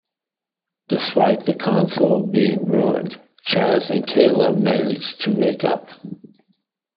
Despite the console being ruined, Chazz and Kayla manage to make up.